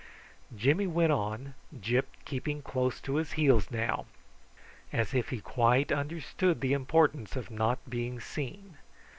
Jimmy went on, Gyp keeping close to his heels now, as if he quite understood the importance of not being seen.